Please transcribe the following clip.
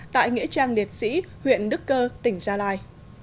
tại nghĩa trang liệt sĩ huyện đức cơ tỉnh gia lai